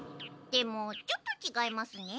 でもちょっとちがいますね。